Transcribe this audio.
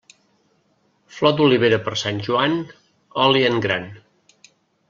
Flor d'olivera per Sant Joan, oli en gran.